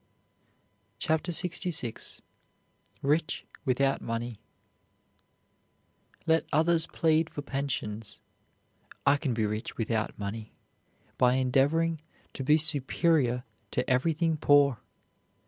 CHAPTER LXVI RICH WITHOUT MONEY Let others plead for pensions; I can be rich without money, by endeavoring to be superior to everything poor.